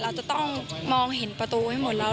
เราจะต้องมองเห็นประตูให้หมดแล้ว